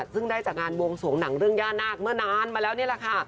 ซึ่งได้จากงานวงสวงหนังเรื่องย่านาคเมื่อนานมาแล้วนี่แหละค่ะ